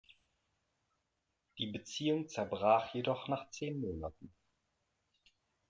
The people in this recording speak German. Die Beziehung zerbrach jedoch nach zehn Monaten.